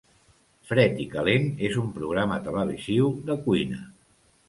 Fred i Calent és un programa televisiu de cuina